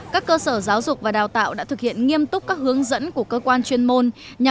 các cơ sở giáo dục và đào tạo đã thực hiện nghiêm túc các hướng dẫn của cơ quan chuyên môn